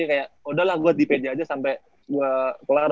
kayak udah lah gue di pj aja sampe gue kelar